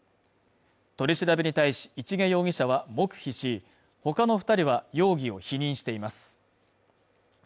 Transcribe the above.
取り調べに対し市毛容疑者は黙秘しほかの二人は容疑を否認しています